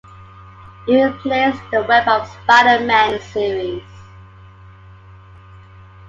It replaced the "Web of Spider-Man" series.